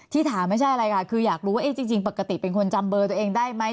ถามไม่ใช่อะไรค่ะคืออยากรู้ว่าจริงปกติเป็นคนจำเบอร์ตัวเองได้ไหม